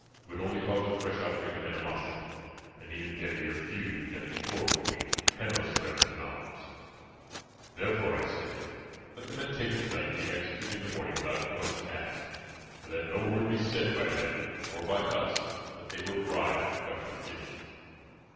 It would only cause a fresh outbreak of animosity and an even deadlier feud than before between Hanno's friends and ours. Therefore, I say, let the men taken tonight be executed in the morning without question asked, and let no word be said by them or by us that they were bribed by Carthaginians.